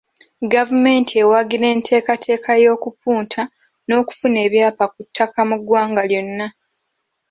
Gavumenti ewagire enteekateeka ey’okupunta n’okufuna ebyapa ku ttaka mu ggwanga lyonna.